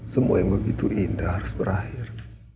semua yang begitu indah harus berakhir